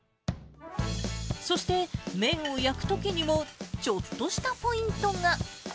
そして、麺を焼くときにもちょっとしたポイントが。